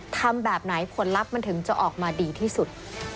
ทำแบบไหนผลลัพธ์มันถึงจะออกมาดีที่สุด